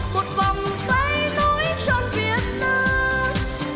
một vòng tay nối tròn việt nam